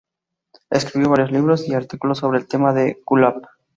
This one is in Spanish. Escribió varios libros y artículos sobre el tema del Gulag.